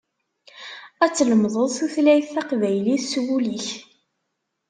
Ad tlemdeḍ tutlyat taqbaylit s wul-ik.